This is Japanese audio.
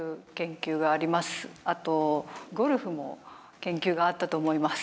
あとゴルフも研究があったと思います。